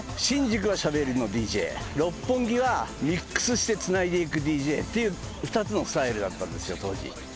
新宿はしゃべりのＤＪ六本木はミックスしてつないでいくＤＪっていう２つのスタイルだったんですよ当時。